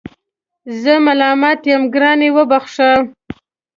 زه ملامت یم ګرانې وبخښه